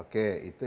oke itu yang kita